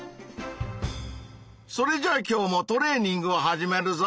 それじゃあ今日もトレーニングを始めるぞ！